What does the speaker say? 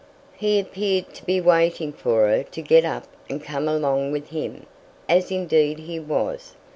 He appeared to be waiting for her to get up and come along with him, as indeed he was.